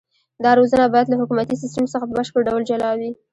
دا روزنه باید له حکومتي سیستم څخه په بشپړ ډول جلا وي.